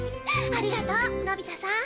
ありがとうのび太さん。